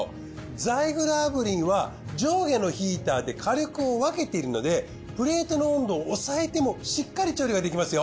ザイグル炙輪は上下のヒーターで火力を分けているのでプレートの温度を抑えてもしっかり調理ができますよ。